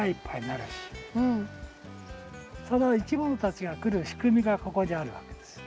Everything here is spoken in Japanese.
そのいきものたちが来る仕組みがここにあるわけですよ。